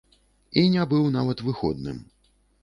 І не быў нават выходным.